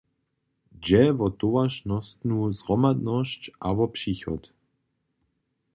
Dźe wo towaršnostnu zhromadnosć a wo přichod.